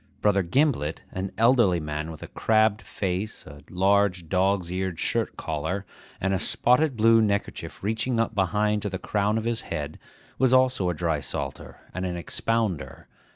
Brother Gimblet, an elderly man with a crabbed face, a large dog's eared shirt collar, and a spotted blue neckerchief reaching up behind to the crown of his head, was also a drysalter and an expounder.